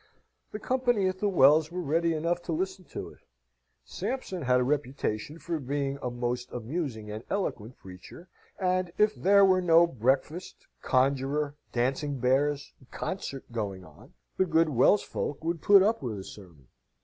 The company at the Wells were ready enough to listen to it. Sampson had a reputation for being a most amusing and eloquent preacher; and if there were no breakfast, conjurer, dancing bears, concert going on, the good Wells folk would put up with a sermon.